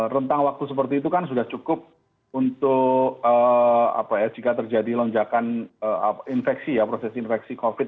rentang waktu seperti itu kan sudah cukup untuk jika terjadi lonjakan infeksi ya proses infeksi covid